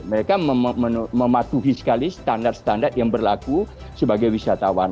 mereka mematuhi sekali standar standar yang berlaku sebagai wisatawan